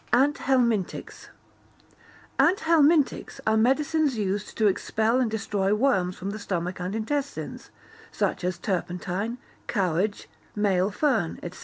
Anthelmintics Anthelmintics are medicines used to expel and destroy worms from the stomach and intestines, such as turpentine, cowhage, male fern, &c.